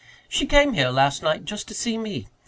"She came here last night just to see me.